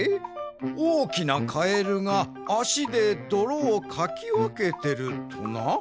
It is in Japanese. おおきなカエルがあしでどろをかきわけてるとな？